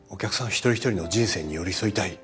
一人一人の人生に寄り添いたい。